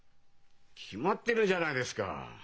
決まってるじゃないですか。